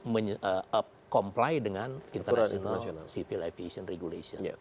menyelenggarakan dengan international civil aviation regulation